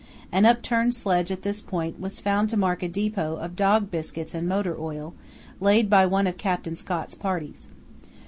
An upturned sledge at this point was found to mark a depot of dog biscuit and motor oil, laid by one of Captain Scott's parties.